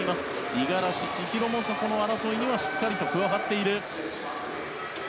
五十嵐千尋もそこの争いにはしっかりと加わっています。